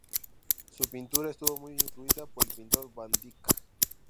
Su pintura estuvo muy influida por el pintor Van Dyck.